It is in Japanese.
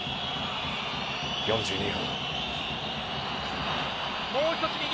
４２分。